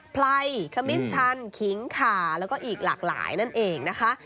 ไพรขมิ้นชันขิงขาแล้วก็อีกหลากหลายนั่นเองนะคะ